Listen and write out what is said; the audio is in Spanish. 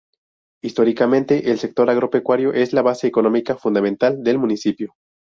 Históricamente, el sector agropecuario es la base económica fundamental del Municipio.